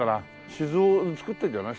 酒造造ってるんじゃない？